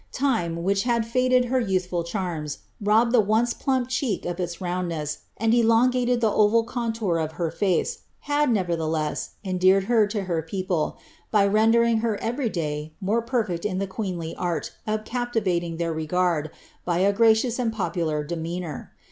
Time, which liai! faded her youthful charms, robbed ilie once plump cheek of its rouniJ neas, and elongated the oval contour of her face, had, neverihelefs. endeared her to her people, by rendering her every day more perfect in the queenly art of captivating their regard, by a gracious and popular demeanour.